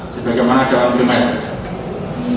sebagaimana dalam bilangan